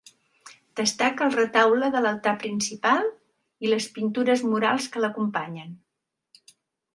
Destaca el retaule de l'altar principal i les pintures murals que l'acompanyen.